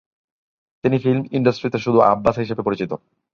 তিনি ফিল্ম ইন্ডাস্ট্রিতে শুধুই আব্বাস হিসেবে পরিচিত।